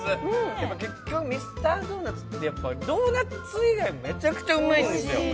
ミスタードーナツって、ドーナツ以外もめちゃくちゃうまいんですよ。